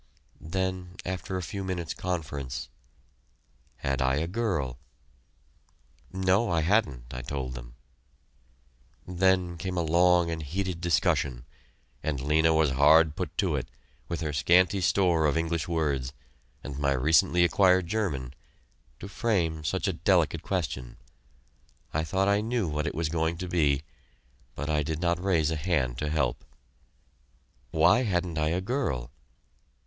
Then, after a few minutes' conference Had I a girl? "No I hadn't," I told them. Then came a long and heated discussion, and Lena was hard put to it, with her scanty store of English words, and my recently acquired German, to frame such a delicate question. I thought I knew what it was going to be but I did not raise a hand to help. Why hadn't I a girl?